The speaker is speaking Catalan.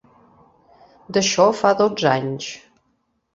D'això fa dotze anys.